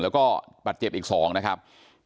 แล้วก็บาดเจ็บอีก๒นะครับ